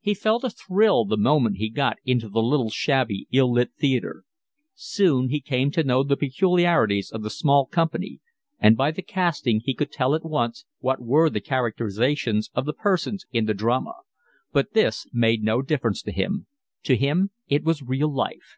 He felt a thrill the moment he got into the little, shabby, ill lit theatre. Soon he came to know the peculiarities of the small company, and by the casting could tell at once what were the characteristics of the persons in the drama; but this made no difference to him. To him it was real life.